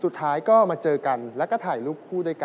สุดท้ายก็มาเจอกันแล้วก็ถ่ายรูปคู่ด้วยกัน